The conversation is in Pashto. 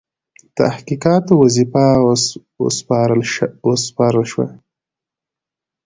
تحقیقاتو وظیفه وسپارله شوه.